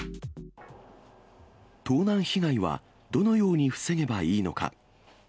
盗難被害はどのように防げばいいのか。